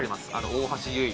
大橋悠依。